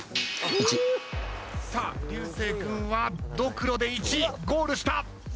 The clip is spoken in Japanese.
流星君はドクロで１ゴールした。